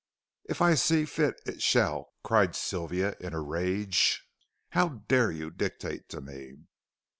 "If I see fit it shall," cried Sylvia in a rage; "how dare you dictate to me."